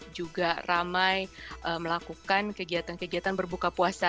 juga ramai melakukan kegiatan kegiatan berbuka puasa